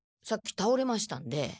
さっき倒れましたんで。